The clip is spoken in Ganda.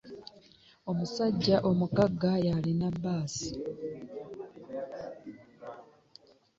Omusajja omugagga yalina bbaasi.